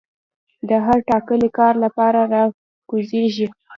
د هر ټاکلي کار لپاره را کوزيږي